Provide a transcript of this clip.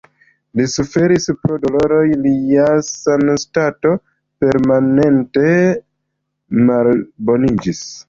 Li suferis pro doloroj, lia sanstato permanente malboniĝis.